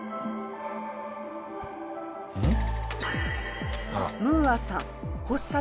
うん？